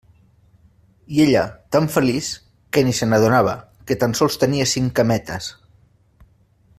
I ella, tan feliç, que ni se n'adonava, que tan sols tenia cinc cametes.